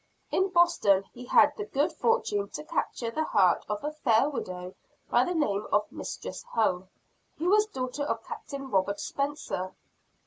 In Boston he had the good fortune to capture the heart of a fair widow by the name of Mistress Hull, who was a daughter of Captain Robert Spencer.